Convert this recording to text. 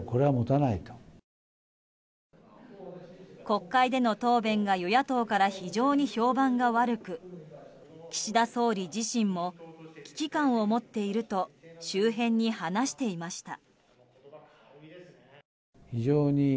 国会での答弁が与野党から非常に評判が悪く岸田総理自身も危機感を持っていると周辺に話していました。